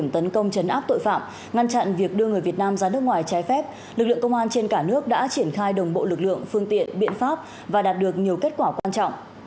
trong trận việc đưa người việt nam ra nước ngoài trái phép lực lượng công an trên cả nước đã triển khai đồng bộ lực lượng phương tiện biện pháp và đạt được nhiều kết quả quan trọng